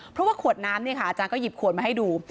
เพราะว่าขวดน้ำอาจารย์ก็หยิบขวดมาให้ดู